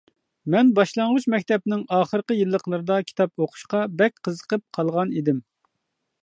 مەن باشلانغۇچ مەكتەپنىڭ ئاخىرقى يىللىقلىرىدا كىتاب ئوقۇشقا بەك قىزىقىپ قالغان ئىدىم.